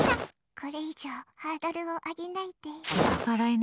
これ以上ハードルを上げないで。